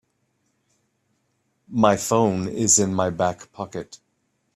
My phone is in my back pocket.